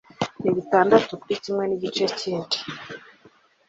Nibitandatu kuri kimwe nigice cyikindi.